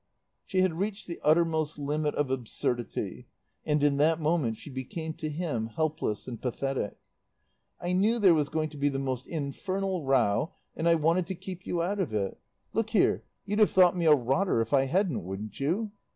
She had reached the uttermost limit of absurdity, and in that moment she became to him helpless and pathetic. "I knew there was going to be the most infernal row and I wanted to keep you out of it. Look here, you'd have thought me a rotter if I hadn't, wouldn't you?